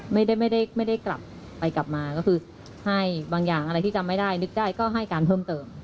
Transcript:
ไม่ได้ไม่ได้กลับไปกลับมาก็คือให้บางอย่างอะไรที่จำไม่ได้นึกได้ก็ให้การเพิ่มเติม